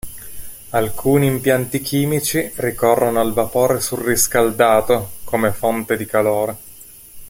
Alcuni impianti chimici ricorrono al vapore surriscaldato come fonte di calore.